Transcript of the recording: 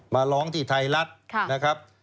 มาร้องที่ไทยรัฐนะครับ